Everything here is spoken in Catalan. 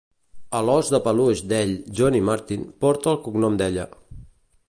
El ós de peluix d'ell "Johnny Martin" porta el cognom d'ella.